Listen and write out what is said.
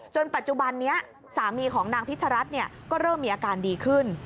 ปัจจุบันนี้สามีของนางพิชรัฐก็เริ่มมีอาการดีขึ้น